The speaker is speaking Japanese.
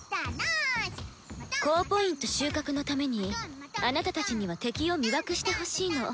高Ｐ収穫のためにあなたたちには「敵を魅惑」してほしいの。